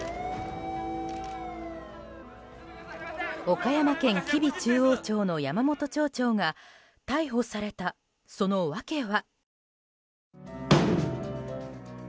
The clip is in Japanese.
岡山県吉備中央町の山本町長が逮捕されたその訳は。